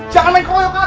jangan main main ya